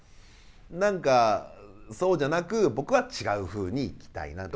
何かそうじゃなく僕は違うふうに行きたいなと。